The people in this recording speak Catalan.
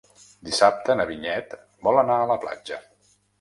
Dissabte na Vinyet vol anar a la platja.